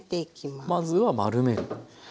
まずは丸める。